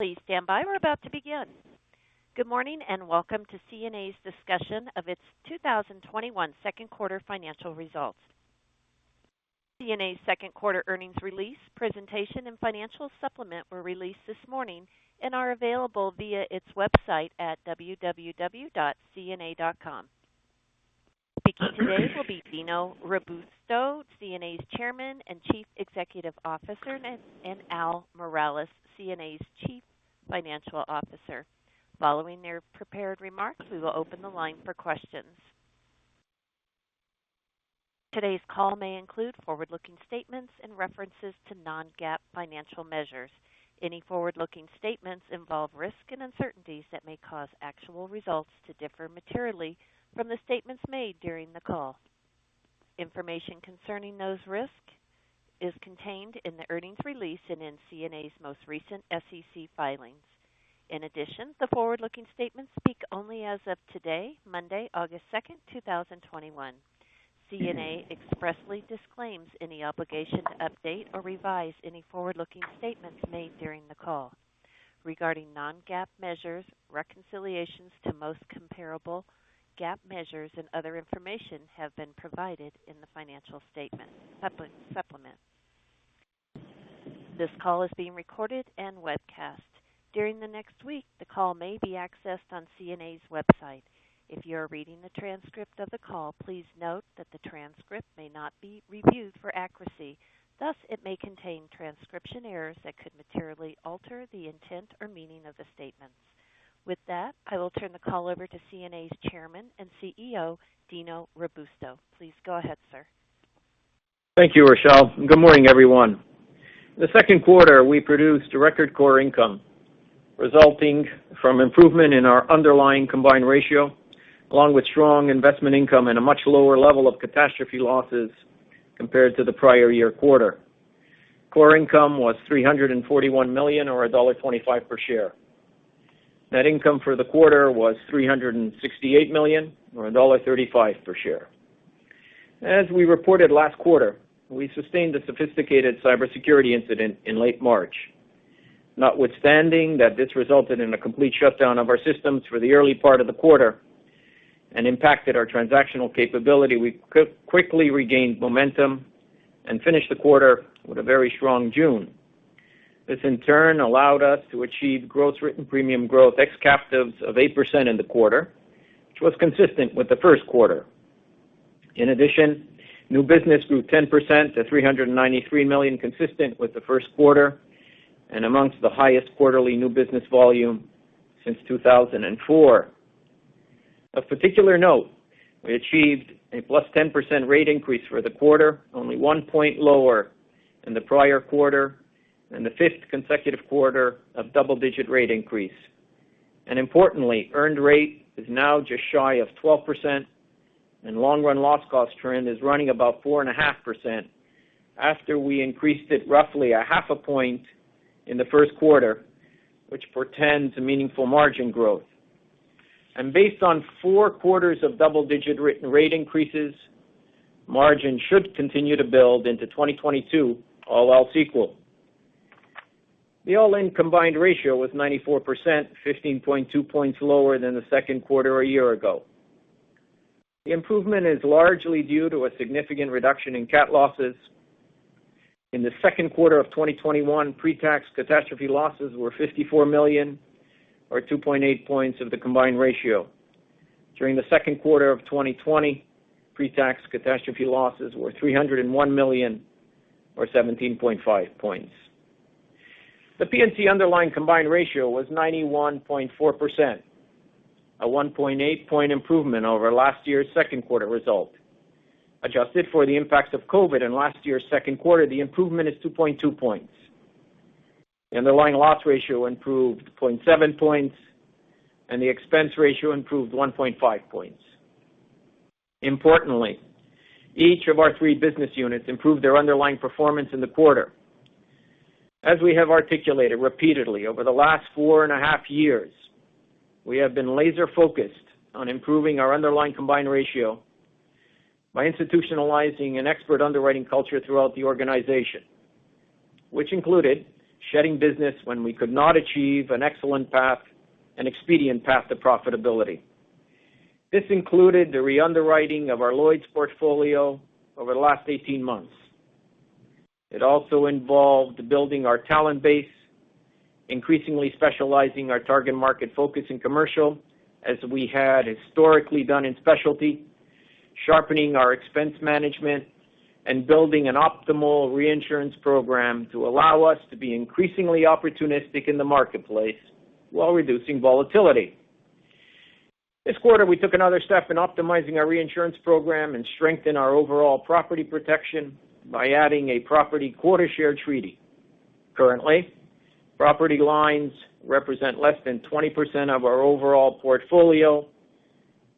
Good morning, and welcome to CNA's discussion of its 2021 second quarter financial results. CNA's second quarter earnings release presentation and financial supplement were released this morning and are available via its website at www.cna.com. Speaking today will be Dino Robusto, CNA's Chairman and Chief Executive Officer, and Al Miralles, CNA's Chief Financial Officer. Following their prepared remarks, we will open the line for questions. Today's call may include forward-looking statements and references to non-GAAP financial measures. Any forward-looking statements involve risks and uncertainties that may cause actual results to differ materially from the statements made during the call. Information concerning those risks is contained in the earnings release and in CNA's most recent SEC filings. In addition, the forward-looking statements speak only as of today, Monday, August 2nd, 2021. CNA expressly disclaims any obligation to update or revise any forward-looking statements made during the call. Regarding non-GAAP measures, reconciliations to most comparable GAAP measures and other information have been provided in the financial supplement. This call is being recorded and webcast. During the next week, the call may be accessed on CNA's website. If you are reading the transcript of the call, please note that the transcript may not be reviewed for accuracy. Thus, it may contain transcription errors that could materially alter the intent or meaning of the statements. With that, I will turn the call over to CNA's Chairman and CEO, Dino Robusto. Please go ahead, sir. Thank you, Rochelle. Good morning, everyone. In the second quarter, we produced a record core income resulting from improvement in our underlying combined ratio, along with strong investment income and a much lower level of catastrophe losses compared to the prior year quarter. Core income was $341 million or $1.25 per share. Net income for the quarter was $368 million or $1.35 per share. As we reported last quarter, we sustained a sophisticated cybersecurity incident in late March. Notwithstanding that this resulted in a complete shutdown of our systems for the early part of the quarter and impacted our transactional capability, we quickly regained momentum and finished the quarter with a very strong June. This, in turn, allowed us to achieve gross written premium growth ex captives of 8% in the quarter, which was consistent with the first quarter. New business grew 10% to $393 million, consistent with the first quarter and amongst the highest quarterly new business volume since 2004. Of particular note, we achieved a +10% rate increase for the quarter, only one point lower than the prior quarter and the fifth consecutive quarter of double-digit rate increase. Importantly, earned rate is now just shy of 12%, and long-run loss cost trend is running about 4.5% after we increased it roughly a half a point in the first quarter, which portends a meaningful margin growth. Based on four quarters of double-digit written rate increases, margin should continue to build into 2022, all else equal. The all-in combined ratio was 94%, 15.2 points lower than the second quarter a year ago. The improvement is largely due to a significant reduction in cat losses. In the second quarter of 2021, pre-tax catastrophe losses were $54 million or 2.8 points of the combined ratio. During the second quarter of 2020, pre-tax catastrophe losses were $301 million or 17.5 points. The P&C underlying combined ratio was 91.4%, a 1.8-point improvement over last year's second quarter result. Adjusted for the impacts of COVID in last year's second quarter, the improvement is 2.2 points. The underlying loss ratio improved 0.7 points, and the expense ratio improved 1.5 points. Importantly, each of our three business units improved their underlying performance in the quarter. As we have articulated repeatedly over the last four and a half years, we have been laser-focused on improving our underlying combined ratio by institutionalizing an expert underwriting culture throughout the organization, which included shedding business when we could not achieve an excellent path and expedient path to profitability. This included the re-underwriting of our Lloyd's portfolio over the last 18 months. It also involved building our talent base, increasingly specializing our target market focus in commercial as we had historically done in specialty, sharpening our expense management, and building an optimal reinsurance program to allow us to be increasingly opportunistic in the marketplace while reducing volatility. This quarter, we took another step in optimizing our reinsurance program and strengthen our overall property protection by adding a property quota share treaty. Currently, property lines represent less than 20% of our overall portfolio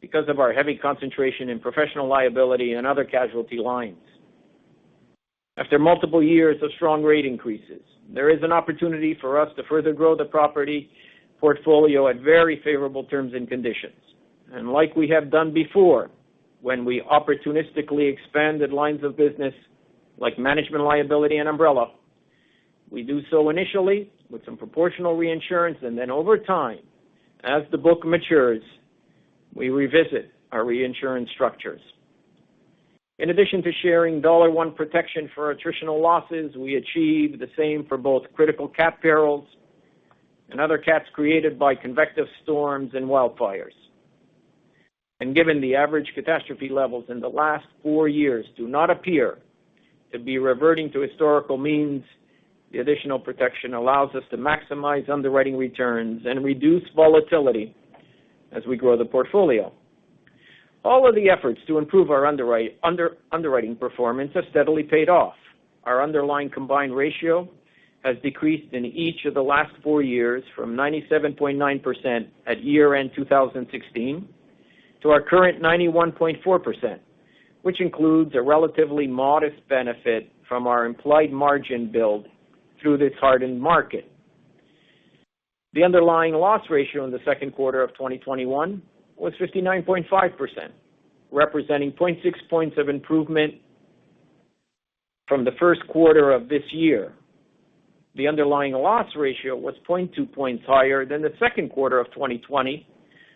because of our heavy concentration in professional liability and other casualty lines. After multiple years of strong rate increases, there is an opportunity for us to further grow the property portfolio at very favorable terms and conditions. Like we have done before, when we opportunistically expanded lines of business like management liability and umbrella, we do so initially with some proportional reinsurance, and then over time, as the book matures, we revisit our reinsurance structures. In addition to sharing dollar one protection for attritional losses, we achieve the same for both critical cat perils and other cats created by convective storms and wildfires. Given the average catastrophe levels in the last four years do not appear to be reverting to historical means, the additional protection allows us to maximize underwriting returns and reduce volatility as we grow the portfolio. All of the efforts to improve our underwriting performance have steadily paid off. Our underlying combined ratio has decreased in each of the last four years from 97.9% at year-end 2016 to our current 91.4%, which includes a relatively modest benefit from our implied margin build through this hardened market. The underlying loss ratio in the second quarter of 2021 was 59.5%, representing 0.6 points of improvement from the first quarter of this year. The underlying loss ratio was 0.2 points higher than the second quarter of 2020.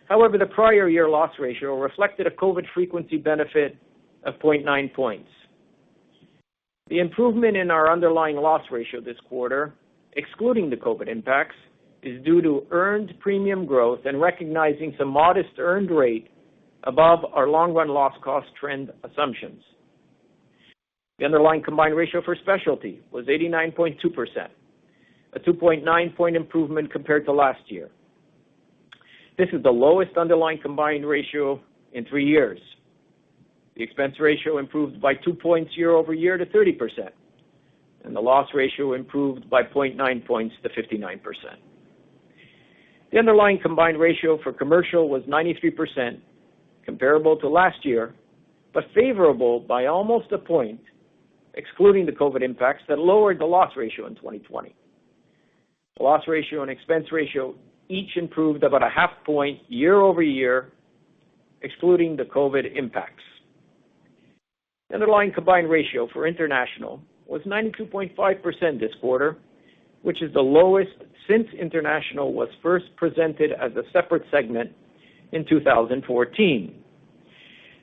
However, the prior year loss ratio reflected a COVID frequency benefit of 0.9 points. The improvement in our underlying loss ratio this quarter, excluding the COVID impacts, is due to earned premium growth and recognizing some modest earned rate above our long-run loss cost trend assumptions. The underlying combined ratio for Specialty was 89.2%, a 2.9-point improvement compared to last year. This is the lowest underlying combined ratio in three years. The expense ratio improved by 2 points year-over-year to 30%, and the loss ratio improved by 0.9 points to 59%. The underlying combined ratio for Commercial was 93%, comparable to last year, but favorable by almost a point, excluding the COVID impacts that lowered the loss ratio in 2020. The loss ratio and expense ratio each improved about 0.5 points year-over-year, excluding the COVID impacts. The underlying combined ratio for International was 92.5% this quarter, which is the lowest since International was first presented as a separate segment in 2014.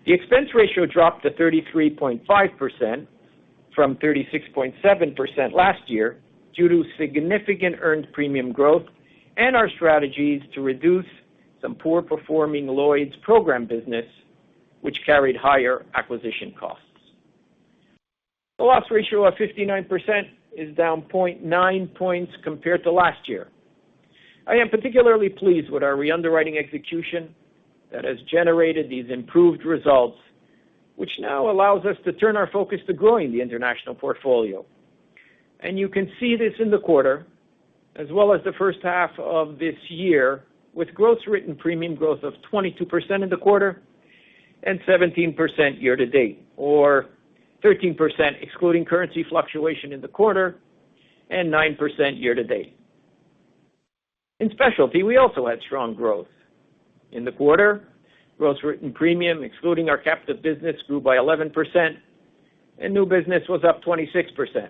The expense ratio dropped to 33.5% from 36.7% last year due to significant earned premium growth and our strategies to reduce some poor-performing Lloyd's program business, which carried higher acquisition costs. The loss ratio of 59% is down 0.9 points compared to last year. I am particularly pleased with our re-underwriting execution that has generated these improved results, which now allows us to turn our focus to growing the international portfolio. You can see this in the quarter, as well as the first half of this year, with gross written premium growth of 22% in the quarter and 17% year to date, or 13%, excluding currency fluctuation in the quarter and 9% year to date. In specialty, we also had strong growth. In the quarter, gross written premium, excluding our captive business, grew by 11%, and new business was up 26%.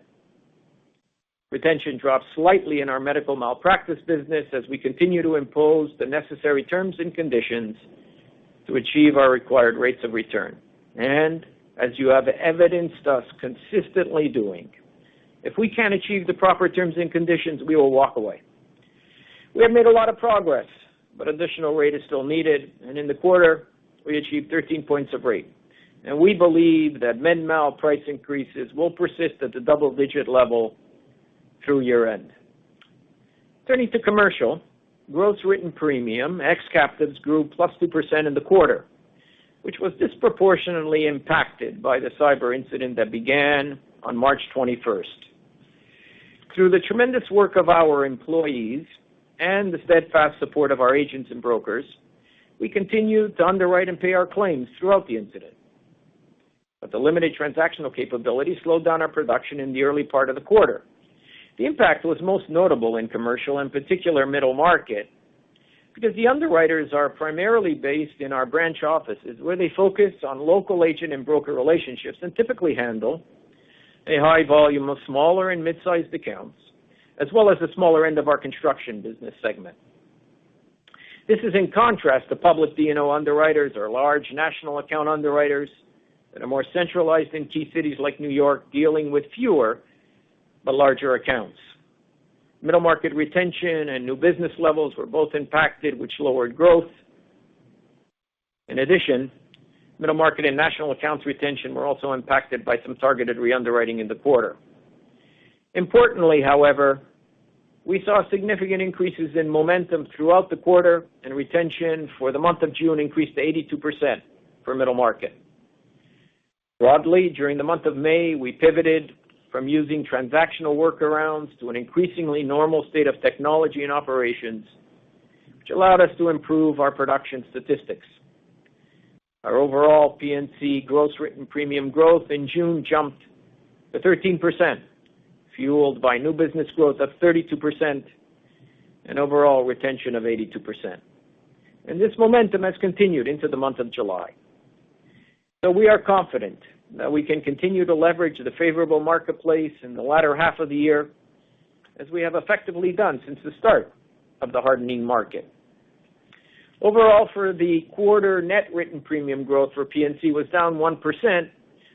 Retention dropped slightly in our medical malpractice business as we continue to impose the necessary terms and conditions to achieve our required rates of return. As you have evidenced us consistently doing, if we can't achieve the proper terms and conditions, we will walk away. We have made a lot of progress, but additional rate is still needed, and in the quarter, we achieved 13 points of rate. We believe that med mal price increases will persist at the double-digit level through year-end. Turning to commercial, gross written premium, ex captives grew +2% in the quarter, which was disproportionately impacted by the cyber incident that began on March 21st. Through the tremendous work of our employees and the steadfast support of our agents and brokers, we continued to underwrite and pay our claims throughout the incident. The limited transactional capability slowed down our production in the early part of the quarter. The impact was most notable in commercial, in particular middle market, because the underwriters are primarily based in our branch offices, where they focus on local agent and broker relationships and typically handle a high volume of smaller and mid-sized accounts, as well as the smaller end of our construction business segment. This is in contrast to public D&O underwriters or large national account underwriters that are more centralized in key cities like New York, dealing with fewer but larger accounts. Middle market retention and new business levels were both impacted, which lowered growth. Middle market and national accounts retention were also impacted by some targeted re-underwriting in the quarter. We saw significant increases in momentum throughout the quarter, and retention for the month of June increased to 82% for middle market. Broadly, during the month of May, we pivoted from using transactional workarounds to an increasingly normal state of technology and operations, which allowed us to improve our production statistics. Our overall P&C gross written premium growth in June jumped to 13%, fueled by new business growth of 32%. An overall retention of 82%. This momentum has continued into the month of July. We are confident that we can continue to leverage the favorable marketplace in the latter half of the year, as we have effectively done since the start of the hardening market. Overall, for the quarter, net written premium growth for P&C was down 1%,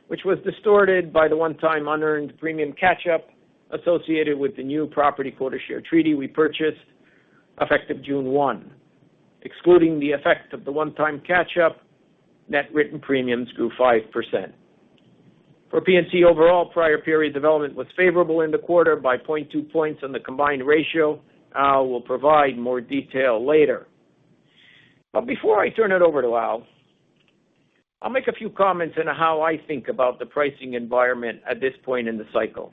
which was distorted by the one-time unearned premium catch-up associated with the new property quota share treaty we purchased effective June 1. Excluding the effect of the one-time catch-up, net written premiums grew 5%. For P&C overall, prior period development was favorable in the quarter by 0.2 points on the combined ratio. Al will provide more detail later. Before I turn it over to Al, I'll make a few comments on how I think about the pricing environment at this point in the cycle.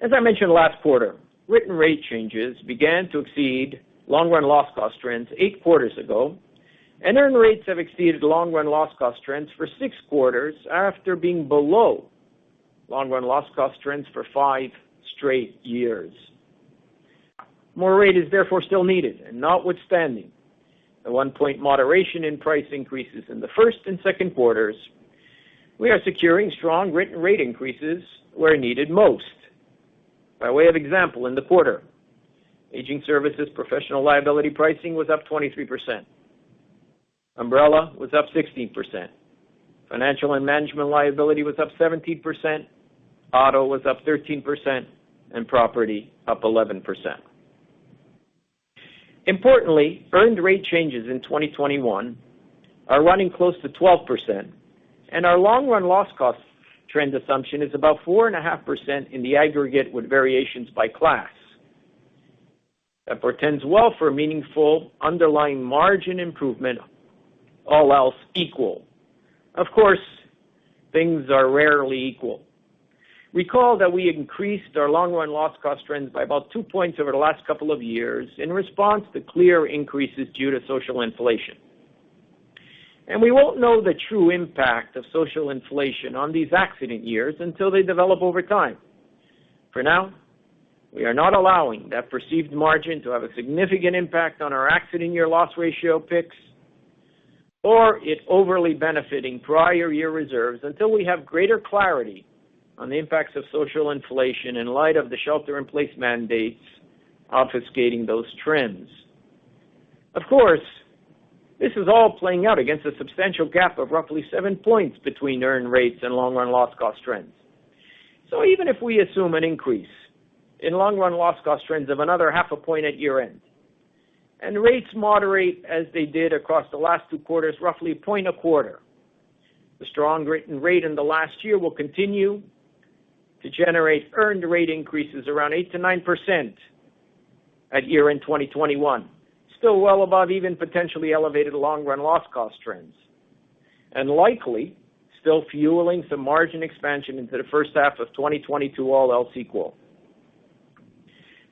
As I mentioned last quarter, written rate changes began to exceed long-run loss cost trends eight quarters ago, and earned rates have exceeded long-run loss cost trends for six quarters after being below long-run loss cost trends for five straight years. More rate is therefore still needed, and notwithstanding the 1-point moderation in price increases in the first and second quarters, we are securing strong written rate increases where needed most. By way of example, in the quarter, aging services professional liability pricing was up 23%, umbrella was up 16%, financial and management liability was up 17%, auto was up 13%, and property up 11%. Importantly, earned rate changes in 2021 are running close to 12%, our long-run loss cost trend assumption is about 4.5% in the aggregate with variations by class. That portends well for a meaningful underlying margin improvement, all else equal. Of course, things are rarely equal. Recall that we increased our long-run loss cost trends by about two points over the last couple of years in response to clear increases due to social inflation. We won't know the true impact of social inflation on these accident years until they develop over time. For now, we are not allowing that perceived margin to have a significant impact on our accident year loss ratio picks or it overly benefiting prior year reserves until we have greater clarity on the impacts of social inflation in light of the shelter-in-place mandates obfuscating those trends. Of course, this is all playing out against a substantial gap of roughly 7 points between earned rates and long-run loss cost trends. Even if we assume an increase in long-run loss cost trends of another 0.5 point at year-end, and rates moderate as they did across the last two quarters, roughly 1 point a quarter, the strong written rate in the last year will continue to generate earned rate increases around 8%-9% at year-end 2021. Still well above even potentially elevated long-run loss cost trends, and likely still fueling some margin expansion into the first half of 2022, all else equal.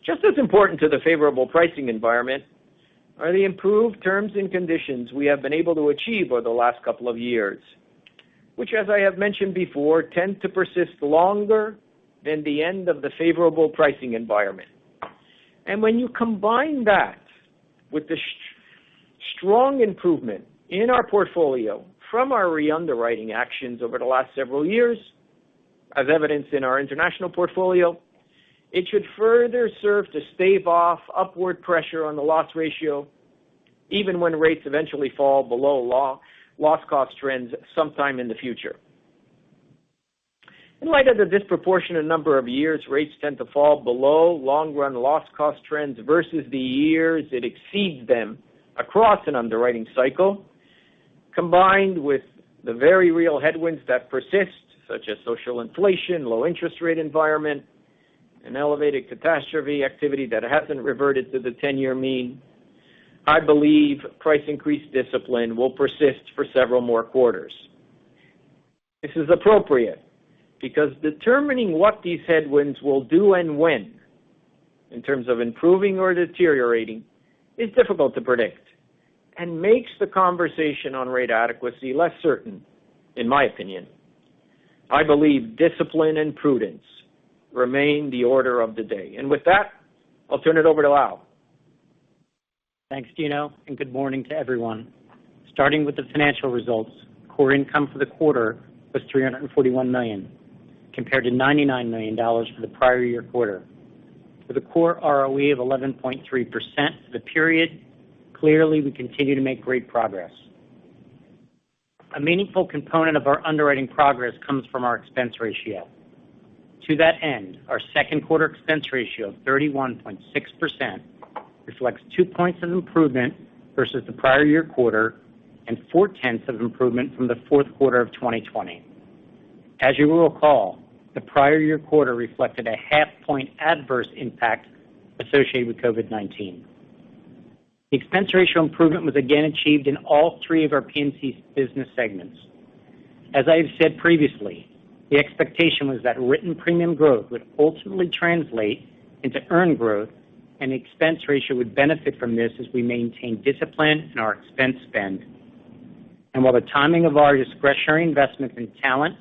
Just as important to the favorable pricing environment are the improved terms and conditions we have been able to achieve over the last couple of years, which as I have mentioned before, tend to persist longer than the end of the favorable pricing environment. When you combine that with the strong improvement in our portfolio from our re-underwriting actions over the last several years, as evidenced in our international portfolio, it should further serve to stave off upward pressure on the loss ratio, even when rates eventually fall below loss cost trends sometime in the future. In light of the disproportionate number of years rates tend to fall below long-run loss cost trends versus the years it exceeds them across an underwriting cycle, combined with the very real headwinds that persist, such as social inflation, low interest rate environment, and elevated catastrophe activity that hasn't reverted to the 10-year mean, I believe price increase discipline will persist for several more quarters. This is appropriate because determining what these headwinds will do and when, in terms of improving or deteriorating, is difficult to predict and makes the conversation on rate adequacy less certain, in my opinion. I believe discipline and prudence remain the order of the day. With that, I'll turn it over to Al. Thanks, Dino, good morning to everyone. Starting with the financial results, core income for the quarter was $341 million compared to $99 million for the prior year quarter. With a core ROE of 11.3% for the period, clearly we continue to make great progress. A meaningful component of our underwriting progress comes from our expense ratio. To that end, our second quarter expense ratio of 31.6% reflects two points of improvement versus the prior year quarter and four-tenths of improvement from the fourth quarter of 2020. As you will recall, the prior year quarter reflected a half point adverse impact associated with COVID-19. Expense ratio improvement was again achieved in all three of our P&C business segments. As I have said previously, the expectation was that written premium growth would ultimately translate into earned growth, expense ratio would benefit from this as we maintain discipline in our expense spend. While the timing of our discretionary investment in talent,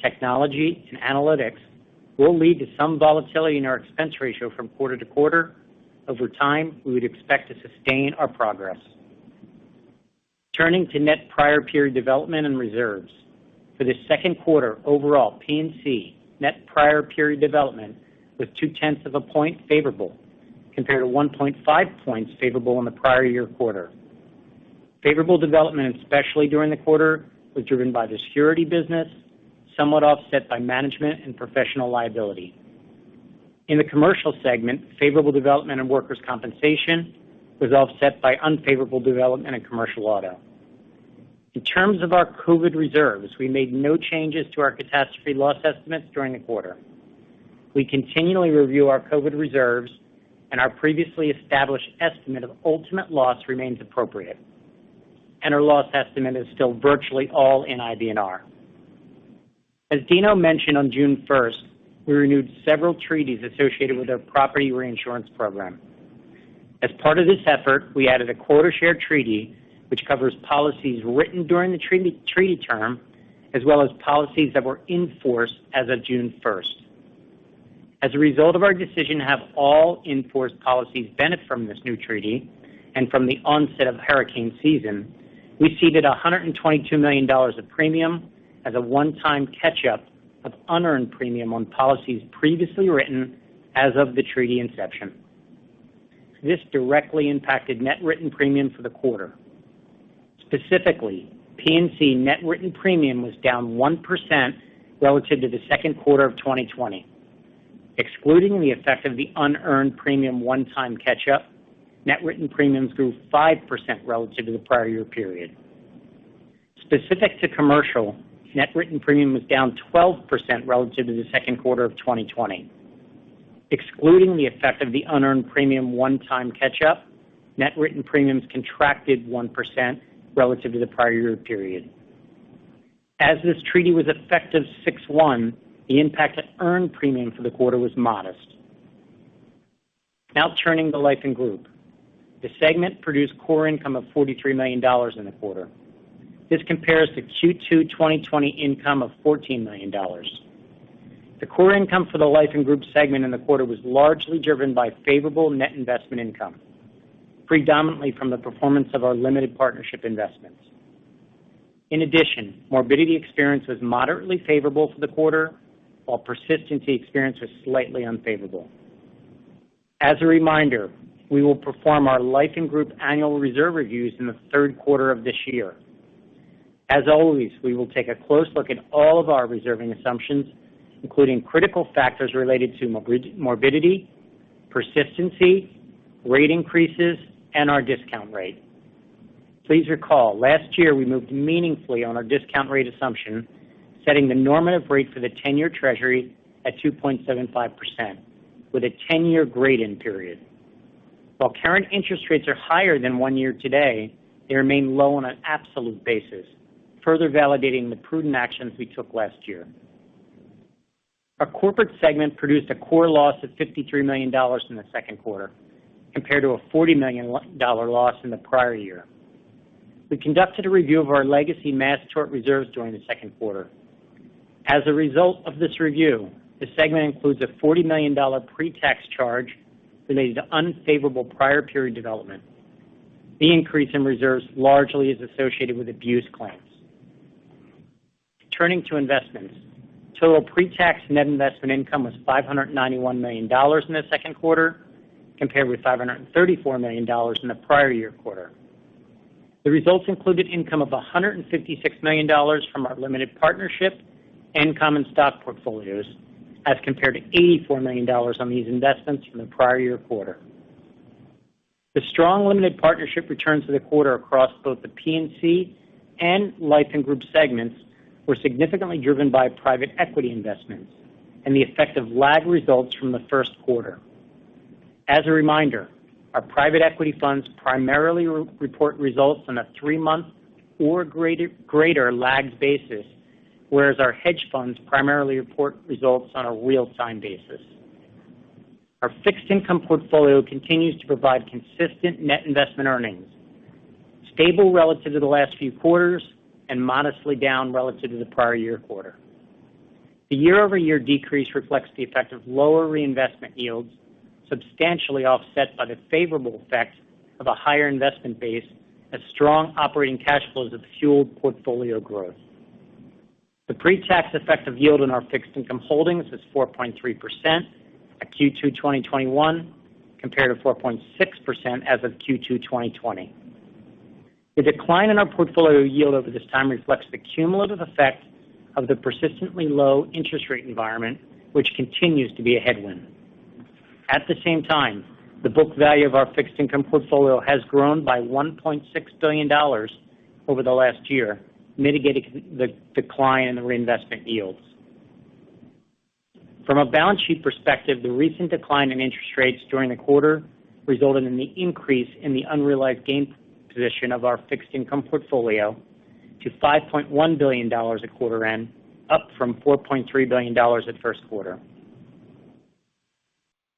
technology, and analytics will lead to some volatility in our expense ratio from quarter to quarter, over time, we would expect to sustain our progress. Turning to net prior period development and reserves. For the second quarter, overall, P&C net prior period development was 0.2 of a point favorable compared to 1.5 points favorable in the prior year quarter. Favorable development, especially during the quarter, was driven by the surety, somewhat offset by management and professional liability. In the commercial segment, favorable development and workers' compensation was offset by unfavorable development in commercial auto. In terms of our COVID reserves, we made no changes to our catastrophe loss estimates during the quarter. We continually review our COVID reserves. Our previously established estimate of ultimate loss remains appropriate. Our loss estimate is still virtually all in IBNR. As Dino mentioned on June 1st, we renewed several treaties associated with our property reinsurance program. As part of this effort, we added a quota share treaty, which covers policies written during the treaty term, as well as policies that were in force as of June 1st. As a result of our decision to have all in-force policies benefit from this new treaty and from the onset of hurricane season, we ceded $122 million of premium as a one-time catch-up of unearned premium on policies previously written as of the treaty inception. This directly impacted net written premium for the quarter. Specifically, P&C net written premium was down 1% relative to the second quarter of 2020. Excluding the effect of the unearned premium one-time catch-up, net written premiums grew 5% relative to the prior year period. Specific to commercial, net written premium was down 12% relative to the second quarter of 2020. Excluding the effect of the unearned premium one-time catch-up, net written premiums contracted 1% relative to the prior year period. As this treaty was effective 6/1, the impact at earned premium for the quarter was modest. Now turning to Life & Group. The segment produced core income of $43 million in the quarter. This compares to Q2 2020 income of $14 million. The core income for the Life & Group segment in the quarter was largely driven by favorable net investment income, predominantly from the performance of our limited partnership investments. In addition, morbidity experience was moderately favorable for the quarter, while persistency experience was slightly unfavorable. As a reminder, we will perform our Life & Group annual reserve reviews in the third quarter of this year. As always, we will take a close look at all of our reserving assumptions, including critical factors related to morbidity, persistency, rate increases, and our discount rate. Please recall, last year we moved meaningfully on our discount rate assumption, setting the normative rate for the 10-year Treasury at 2.75% with a 10-year grade-in period. While current interest rates are higher than one year today, they remain low on an absolute basis, further validating the prudent actions we took last year. Our Corporate segment produced a core loss of $53 million in the second quarter compared to a $40 million loss in the prior year. We conducted a review of our legacy mass tort reserves during the second quarter. As a result of this review, the segment includes a $40 million pre-tax charge related to unfavorable prior period development. The increase in reserves largely is associated with abuse claims. Turning to investments. Total pre-tax net investment income was $591 million in the second quarter, compared with $534 million in the prior year quarter. The results included income of $156 million from our limited partnership and common stock portfolios, as compared to $84 million on these investments from the prior year quarter. The strong limited partnership returns for the quarter across both the P&C and Life & Group segments were significantly driven by private equity investments and the effect of lagged results from the first quarter. As a reminder, our private equity funds primarily report results on a three-month or greater lagged basis, whereas our hedge funds primarily report results on a real-time basis. Our fixed income portfolio continues to provide consistent net investment earnings, stable relative to the last few quarters, and modestly down relative to the prior year quarter. The year-over-year decrease reflects the effect of lower reinvestment yields, substantially offset by the favorable effect of a higher investment base as strong operating cash flows have fueled portfolio growth. The pre-tax effective yield on our fixed income holdings is 4.3% at Q2 2021, compared to 4.6% as of Q2 2020. The decline in our portfolio yield over this time reflects the cumulative effect of the persistently low interest rate environment, which continues to be a headwind. At the same time, the book value of our fixed income portfolio has grown by $1.6 billion over the last year, mitigating the decline in the reinvestment yields. From a balance sheet perspective, the recent decline in interest rates during the quarter resulted in the increase in the unrealized gain position of our fixed income portfolio to $5.1 billion at quarter end, up from $4.3 billion at first quarter.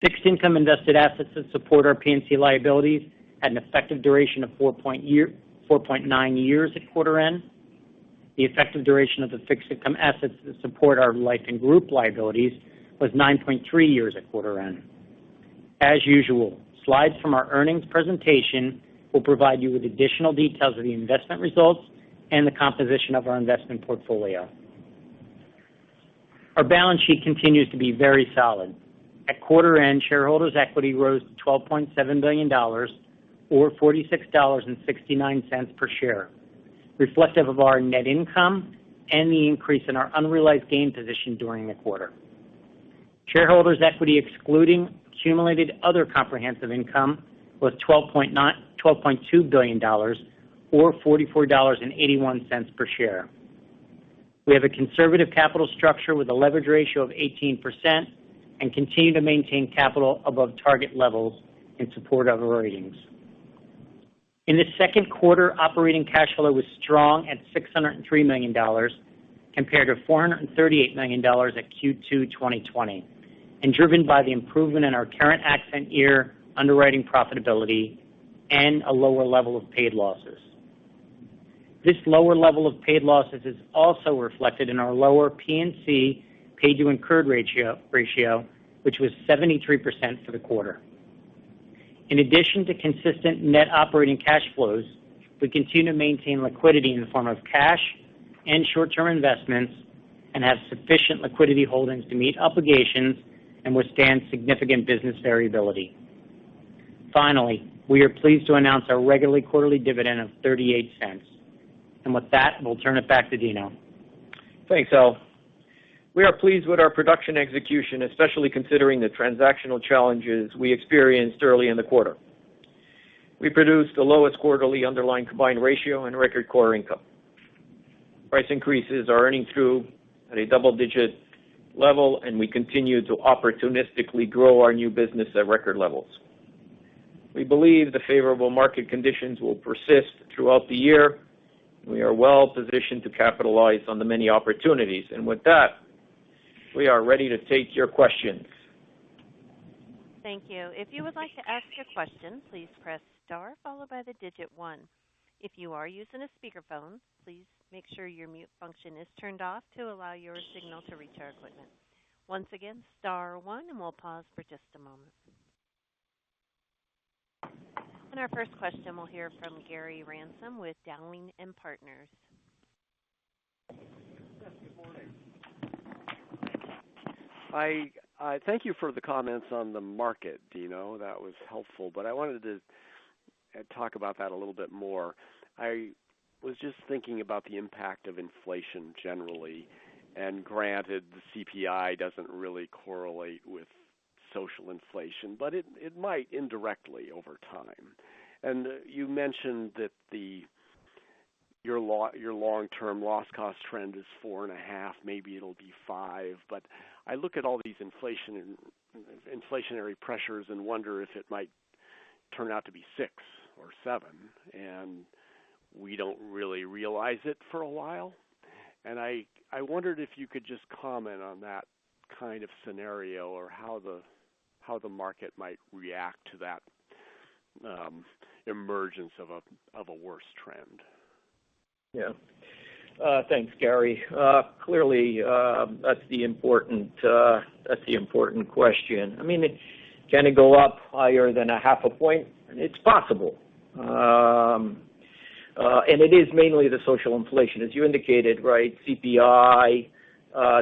Fixed income invested assets that support our P&C liabilities had an effective duration of 4.9 years at quarter end. The effective duration of the fixed income assets that support our Life & Group liabilities was 9.3 years at quarter end. As usual, slides from our earnings presentation will provide you with additional details of the investment results and the composition of our investment portfolio. Our balance sheet continues to be very solid. At quarter end, shareholders' equity rose to $12.7 billion, or $46.69 per share, reflective of our net income and the increase in our unrealized gain position during the quarter. Shareholders' equity excluding accumulated other comprehensive income was $12.2 billion, or $44.81 per share. We have a conservative capital structure with a leverage ratio of 18% and continue to maintain capital above target levels in support of our earnings. In the second quarter, operating cash flow was strong at $603 million, compared to $438 million at Q2 2020, and driven by the improvement in our current accident year underwriting profitability and a lower level of paid losses. This lower level of paid losses is also reflected in our lower P&C paid to incurred ratio, which was 73% for the quarter. In addition to consistent net operating cash flows, we continue to maintain liquidity in the form of cash and short-term investments and have sufficient liquidity holdings to meet obligations and withstand significant business variability. Finally, we are pleased to announce our regular quarterly dividend of $0.38. With that, we'll turn it back to Dino. Thanks, Al. We are pleased with our production execution, especially considering the transactional challenges we experienced early in the quarter. We produced the lowest quarterly underlying combined ratio and record core income. Price increases are earning through at a double-digit level, and we continue to opportunistically grow our new business at record levels. We believe the favorable market conditions will persist throughout the year, and we are well-positioned to capitalize on the many opportunities. With that, we are ready to take your questions. Our first question, we'll hear from Gary Ransom with Dowling & Partners. Yes, good morning. Thank you for the comments on the market, Dino. That was helpful, but I wanted to talk about that a little bit more. I was just thinking about the impact of inflation generally, and granted, the CPI doesn't really correlate with social inflation, but it might indirectly over time. You mentioned that your long-run loss cost trend is 4.5, maybe it'll be five, but I look at all these inflationary pressures and wonder if it might turn out to be six or seven, and we don't really realize it for a while. I wondered if you could just comment on that kind of scenario or how the market might react to that emergence of a worse trend. Yeah. Thanks, Gary. Clearly, that's the important question. I mean, can it go up higher than a half a point? It's possible. It is mainly the social inflation, as you indicated, right? CPI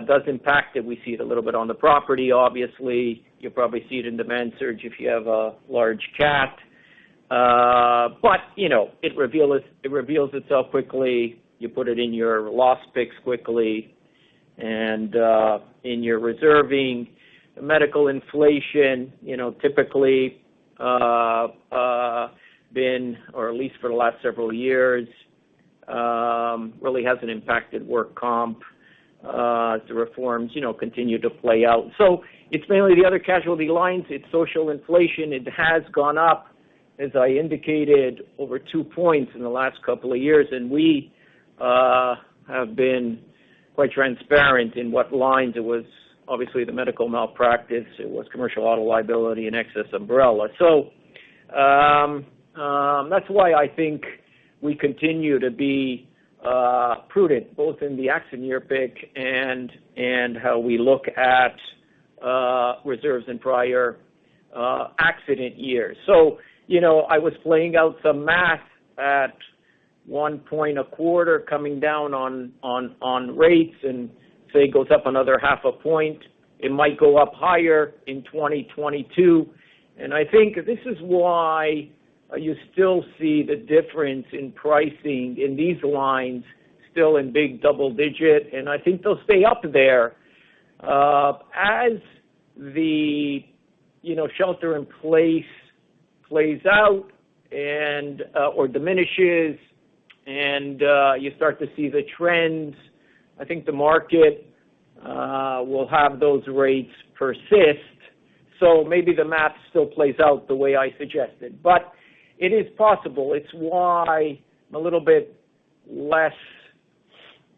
does impact it. We see it a little bit on the property, obviously. You probably see it in demand surge if you have a large cat. It reveals itself quickly. You put it in your loss picks quickly. In your reserving, medical inflation typically, or at least for the last several years, really hasn't impacted work comp as the reforms continue to play out. It's mainly the other casualty lines. It's social inflation. It has gone up, as I indicated, over 2 points in the last couple of years. We have been quite transparent in what lines it was. Obviously, the medical malpractice, it was commercial auto liability, and excess umbrella. That's why I think we continue to be prudent, both in the accident year pick and how we look at reserves in prior accident years. I was playing out the math at 1 point a quarter coming down on rates, and say it goes up another half a point, it might go up higher in 2022. I think this is why you still see the difference in pricing in these lines still in big double-digit, and I think they'll stay up there. As the shelter in place plays out or diminishes and you start to see the trends, I think the market will have those rates persist. Maybe the math still plays out the way I suggested. It is possible. It's why I'm a little bit less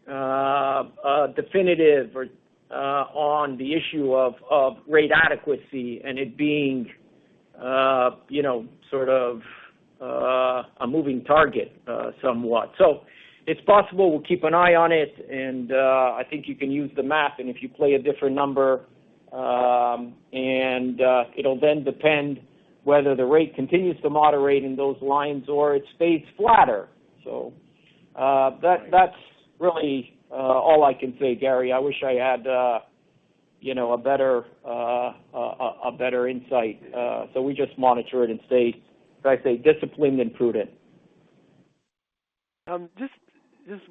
definitive on the issue of rate adequacy and it being a moving target somewhat. It's possible we'll keep an eye on it, and I think you can use the math, and if you play a different number, and it'll then depend whether the rate continues to moderate in those lines or it stays flatter. That's really all I can say, Gary. I wish I had a better insight. We just monitor it and stay, as I say, disciplined and prudent. Just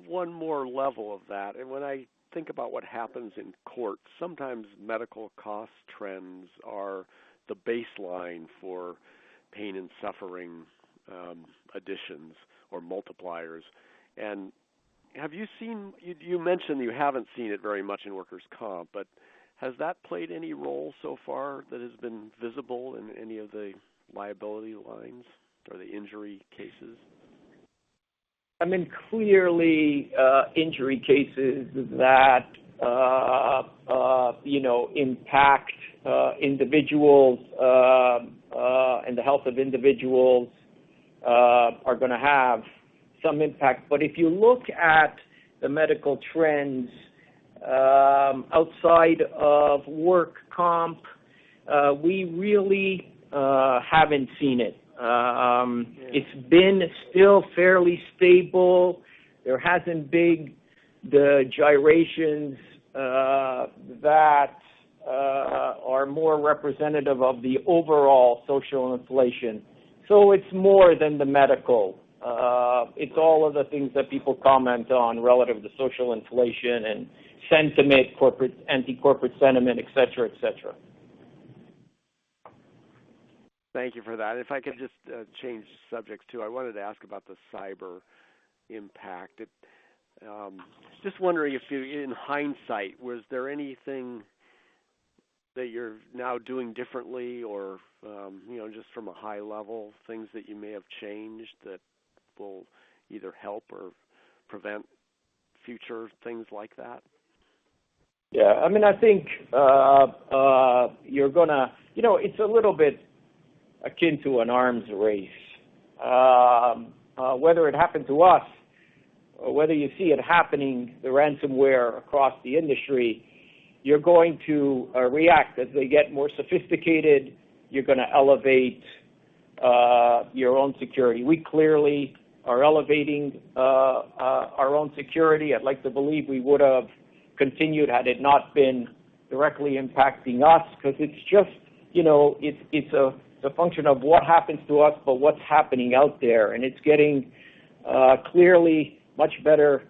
one more level of that. When I think about what happens in court, sometimes medical cost trends are the baseline for pain and suffering additions or multipliers. You mentioned you haven't seen it very much in workers' comp, but has that played any role so far that has been visible in any of the liability lines or the injury cases? Clearly, injury cases that impact individuals and the health of individuals are going to have some impact. If you look at the medical trends outside of work comp, we really haven't seen it. It's been still fairly stable. There hasn't been the gyrations that are more representative of the overall social inflation. It's more than the medical. It's all of the things that people comment on relative to social inflation and anti-corporate sentiment, et cetera. Thank you for that. If I could just change the subject too, I wanted to ask about the cyber impact. Just wondering, in hindsight, was there anything that you're now doing differently or just from a high level, things that you may have changed that will either help or prevent future things like that? Yeah. It's a little bit akin to an arms race. Whether it happened to us or whether you see it happening, the ransomware across the industry, you're going to react. As they get more sophisticated, you're going to elevate your own security. We clearly are elevating our own security. I'd like to believe we would have continued had it not been directly impacting us because it's a function of what happens to us, but what's happening out there, and it's getting clearly much better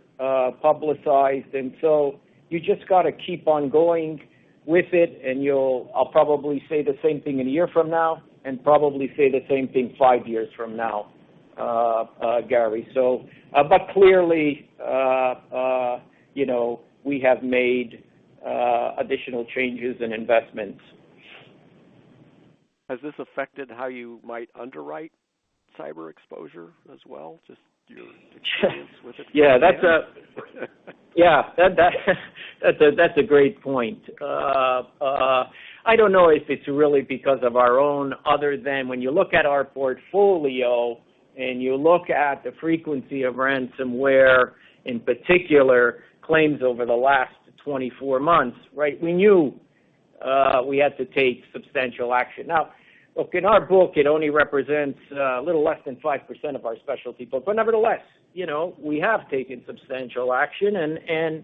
publicized. You just got to keep on going with it, and I'll probably say the same thing in one year from now and probably say the same thing five years from now, Gary. Clearly we have made additional changes and investments. Has this affected how you might underwrite cyber exposure as well? Just your experience with it. Yeah. That's a great point. I don't know if it's really because of our own other than when you look at our portfolio and you look at the frequency of ransomware, in particular, claims over the last 24 months, we knew we had to take substantial action. Look, in our book, it only represents a little less than 5% of our specialty book, nevertheless, we have taken substantial action, and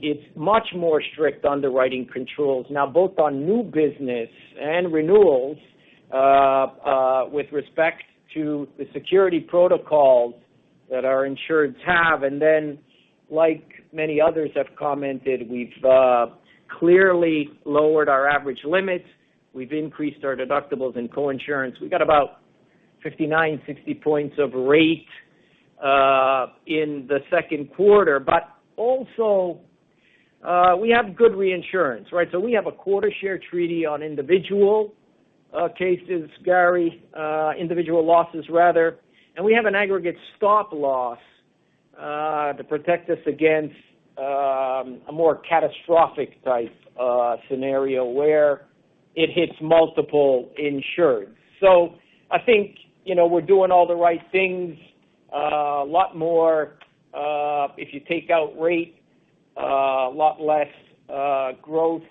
it's much more strict underwriting controls now, both on new business and renewals with respect to the security protocols that our insureds have. Like many others have commented, we've clearly lowered our average limits. We've increased our deductibles and coinsurance. We got about 59, 60 points of rate in the second quarter. We have good reinsurance. We have a quota share treaty on individual cases, Gary, individual losses, rather, and we have an aggregate stop loss to protect us against a more catastrophic type scenario where it hits multiple insureds. I think we're doing all the right things, a lot more if you take out rate, a lot less growth.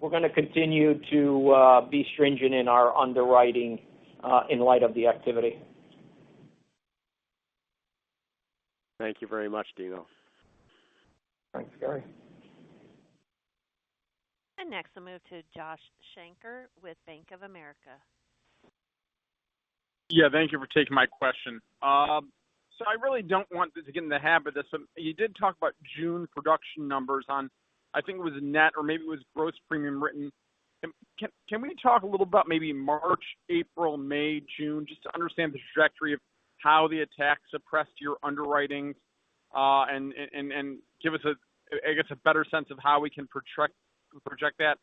We're going to continue to be stringent in our underwriting in light of the activity. Thank you very much, Dino. Thanks, Gary. Next, I'll move to Josh Shanker with Bank of America. Yeah. Thank you for taking my question. I really don't want to get in the habit of this. You did talk about June production numbers on, I think it was net or maybe it was gross premium written. Can we talk a little about maybe March, April, May, June, just to understand the trajectory of how the attacks suppressed your underwriting? Give us, I guess, a better sense of how we can project that.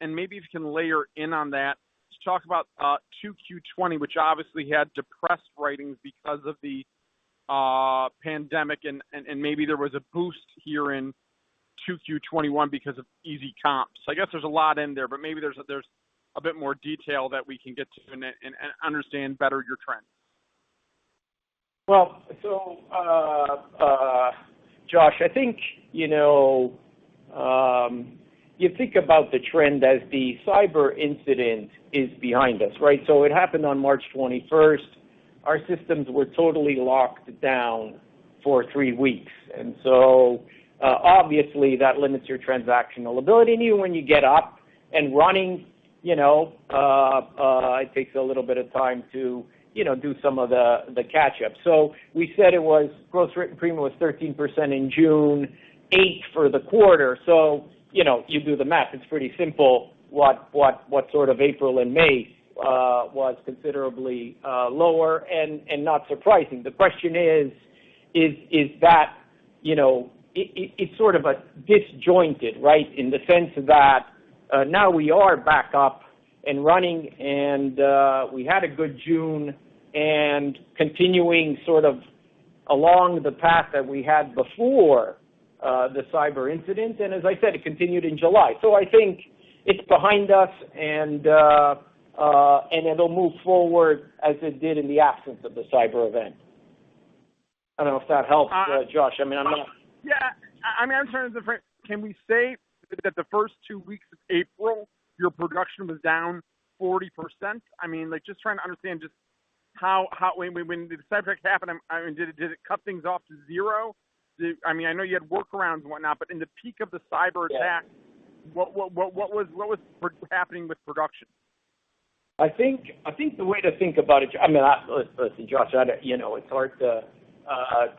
Maybe if you can layer in on that to talk about Q2 2020, which obviously had depressed writings because of the pandemic and maybe there was a boost here in Q2 2021 because of easy comps. I guess there's a lot in there, but maybe there's a bit more detail that we can get to and understand better your trends. Josh, I think you think about the trend as the cyber incident is behind us, right? It happened on March 21st. Our systems were totally locked down for three weeks, and so obviously that limits your transactional ability, and even when you get up and running, it takes a little bit of time to do some of the catch-up. We said gross written premium was 13% in June, eight for the quarter. You do the math. It's pretty simple what April and May was considerably lower and not surprising. The question is that it's sort of disjointed, right? In the sense that now we are back up and running, and we had a good June and continuing sort of along the path that we had before the cyber incident. As I said, it continued in July. I think it's behind us and it'll move forward as it did in the absence of the cyber event. I don't know if that helps, Josh. Yeah. Can we say that the first two weeks of April, your production was down 40%? I mean, just trying to understand just how, when the cyber attack happened, did it cut things off to zero? I know you had workarounds and whatnot. Yeah what was happening with production? I think the way to think about it, Josh, it's hard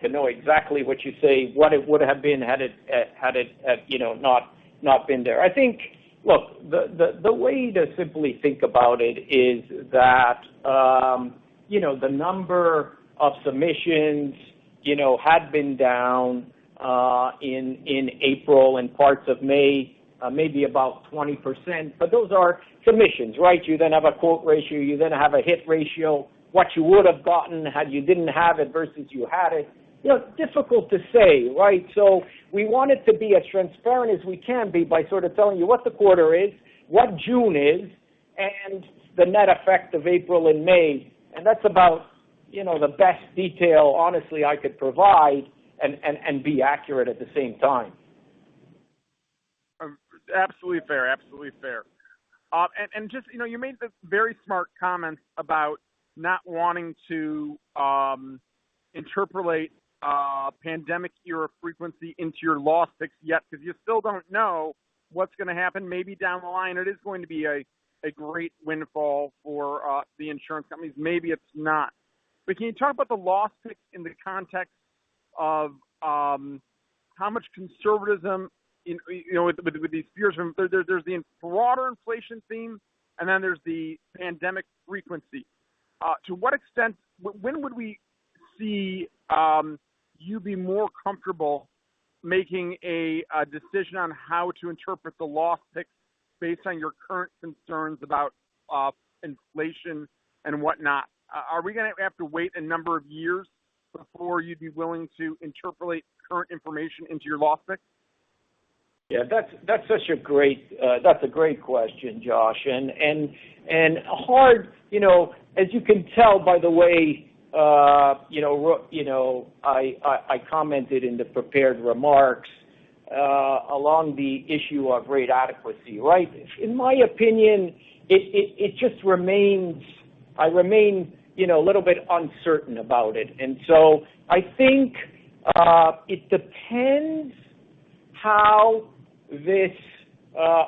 to know exactly what you say, what it would have been had it not been there. The way to simply think about it is that the number of submissions had been down in April and parts of May, maybe about 20%, but those are submissions, right? You then have a quote ratio, you then have a hit ratio, what you would've gotten had you didn't have it versus you had it. Difficult to say, right? We want it to be as transparent as we can be by telling you what the quarter is, what June is, and the net effect of April and May. That's about the best detail honestly I could provide and be accurate at the same time. Absolutely fair. Just, you made this very smart comment about not wanting to interpolate pandemic year frequency into your loss pick yet, because you still don't know what's going to happen. Maybe down the line, it is going to be a great windfall for the insurance companies. Maybe it's not. Can you talk about the loss pick in the context of how much conservatism with these fears. There's the broader inflation theme, and then there's the pandemic frequency. When would we see you be more comfortable making a decision on how to interpret the loss pick based on your current concerns about inflation and whatnot? Are we going to have to wait a number of years before you'd be willing to interpolate current information into your loss pick? Yeah, that's a great question, Josh, and hard, as you can tell by the way I commented in the prepared remarks along the issue of rate adequacy, right? In my opinion, I remain a little bit uncertain about it. I think it depends how this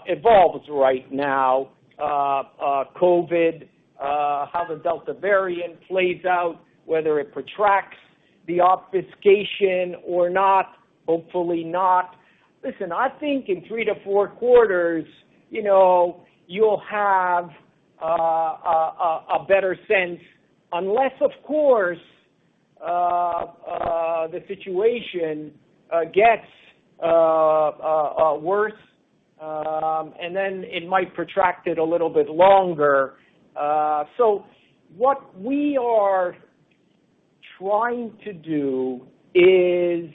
evolves right now. COVID, how the Delta variant plays out, whether it protracts the obfuscation or not, hopefully not. Listen, I think in three to four quarters, you'll have a better sense. Unless, of course, the situation gets worse, and then it might protract it a little bit longer. What we are trying to do is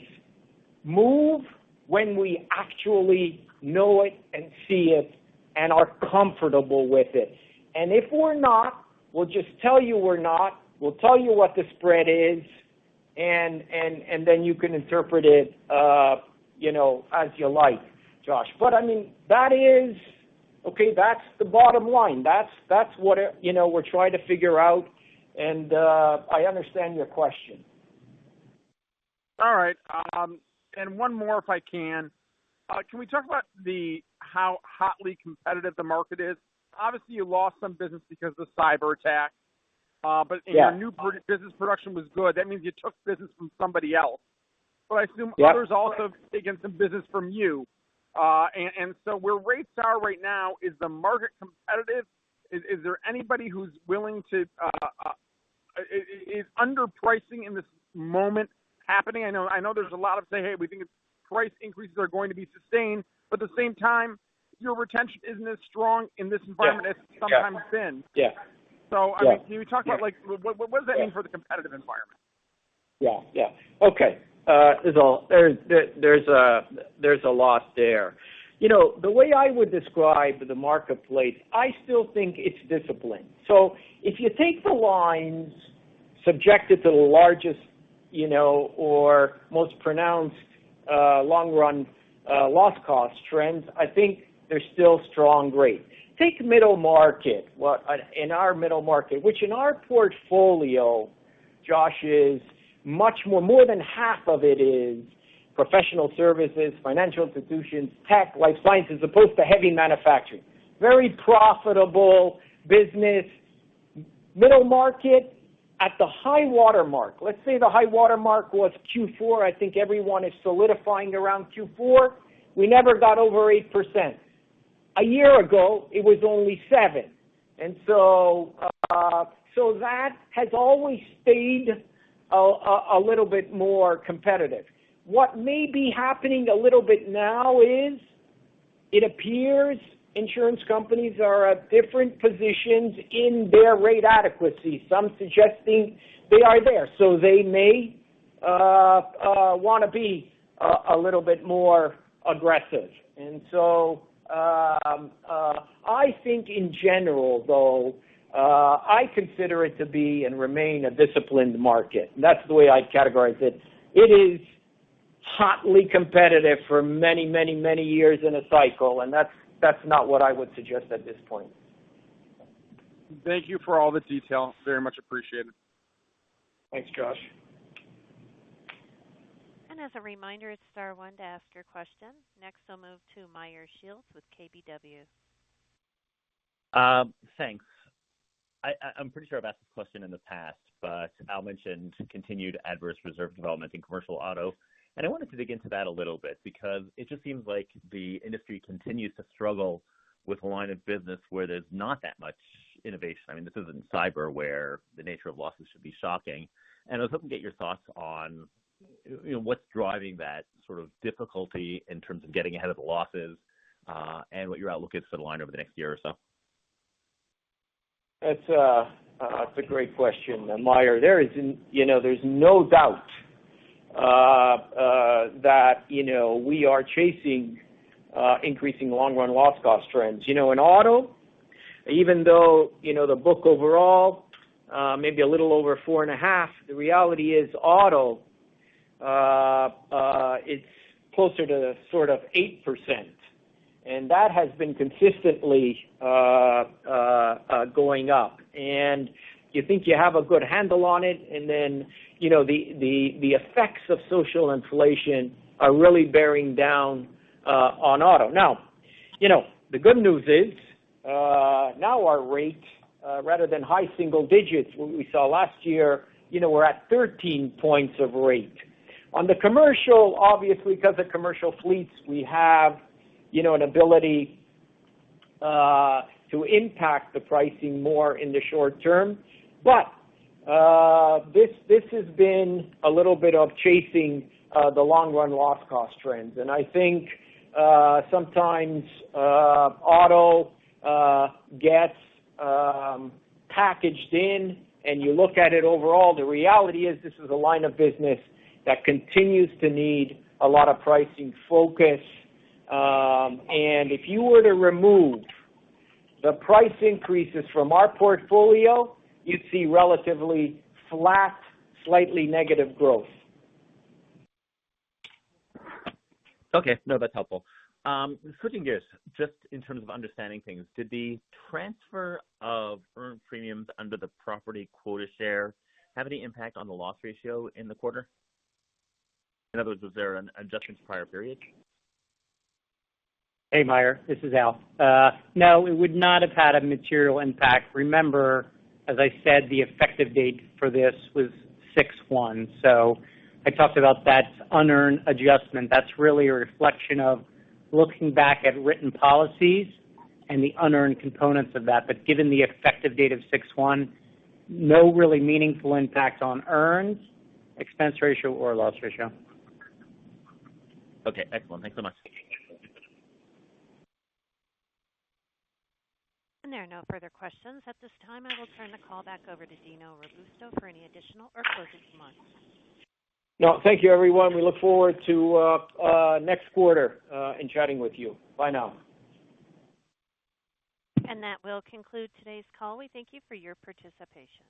move when we actually know it and see it and are comfortable with it. If we're not, we'll just tell you we're not. We'll tell you what the spread is, and then you can interpret it as you like, Josh. That's the bottom line. That's what we're trying to figure out, and I understand your question. All right. One more, if I can. Can we talk about how hotly competitive the market is? Obviously, you lost some business because of the cyber attack. Yeah. Your new business production was good. That means you took business from somebody else. Yeah others also have taken some business from you. Where rates are right now, is the market competitive? Is underpricing in this moment happening? I know there's a lot of say, "Hey, we think price increases are going to be sustained," but at the same time, your retention isn't as strong in this environment. Yeah as it sometimes been. Yeah. Can you talk about what does that mean for the competitive environment? Yeah. Okay. There's a lot there. The way I would describe the marketplace, I still think it's disciplined. If you take the lines subjected to the largest or most pronounced long-run loss cost trends, I think they're still strong rate. Take middle market. In our middle market, which in our portfolio, Josh, is much more, more than half of it is professional services, financial institutions, tech, life sciences, as opposed to heavy manufacturing. Very profitable business. Middle market at the high watermark. Let's say the high watermark was Q4. I think everyone is solidifying around Q4. We never got over 8%. A year ago, it was only seven. That has always stayed a little bit more competitive. What may be happening a little bit now is it appears insurance companies are at different positions in their rate adequacy, some suggesting they are there. They may want to be a little bit more aggressive. I think in general though, I consider it to be and remain a disciplined market. That's the way I'd categorize it. It is hotly competitive for many years in a cycle, and that's not what I would suggest at this point. Thank you for all the detail. Very much appreciated. Thanks, Josh. As a reminder, it's star one to ask your questions. Next, I'll move to Meyer Shields with KBW. Thanks. I'm pretty sure I've asked this question in the past. Al mentioned continued adverse reserve development in commercial auto. I wanted to dig into that a little bit because it just seems like the industry continues to struggle with a line of business where there's not that much innovation. This isn't cyber, where the nature of losses should be shocking. I was hoping to get your thoughts on what's driving that sort of difficulty in terms of getting ahead of the losses, and what your outlook is for the line over the next year or so. That's a great question, Meyer. There's no doubt that we are chasing increasing long-run loss cost trends. In auto, even though the book overall may be a little over 4.5%, the reality is auto, it's closer to 8%. That has been consistently going up. You think you have a good handle on it. Then the effects of social inflation are really bearing down on auto. Now, the good news is, now our rates, rather than high single digits, what we saw last year, we're at 13 points of rate. On the commercial, obviously, because of commercial fleets, we have an ability to impact the pricing more in the short term. This has been a little bit of chasing the long-run loss cost trends. I think, sometimes auto gets packaged in and you look at it overall. The reality is this is a line of business that continues to need a lot of pricing focus. If you were to remove the price increases from our portfolio, you'd see relatively flat, slightly negative growth. No, that's helpful. Switching gears, just in terms of understanding things, did the transfer of earned premiums under the property quota share have any impact on the loss ratio in the quarter? In other words, was there an adjustment to prior periods? Hey, Meyer, this is Al. It would not have had a material impact. Remember, as I said, the effective date for this was 6/1. I talked about that unearned adjustment. That's really a reflection of looking back at written policies and the unearned components of that. Given the effective date of 6/1, no really meaningful impact on earns, expense ratio or loss ratio. Okay, excellent. Thanks so much. There are no further questions. At this time, I will turn the call back over to Dino Robusto for any additional or closing remarks. Thank you everyone. We look forward to next quarter and chatting with you. Bye now. That will conclude today's call. We thank you for your participation.